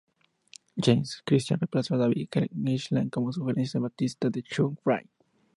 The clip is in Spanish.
James Christian reemplazó a David Glen Eisley, como sugerencia del bajista Chuck Wright.